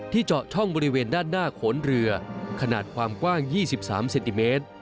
เจาะช่องบริเวณด้านหน้าโขนเรือขนาดความกว้าง๒๓เซนติเมตร